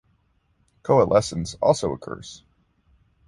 Coalescence also occurs.